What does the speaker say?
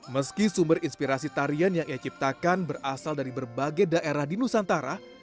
meski sumber inspirasi tarian yang ia ciptakan berasal dari berbagai daerah di nusantara